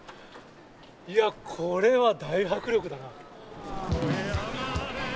いや、これは大迫力だな。